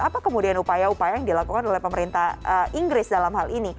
apa kemudian upaya upaya yang dilakukan oleh pemerintah inggris dalam hal ini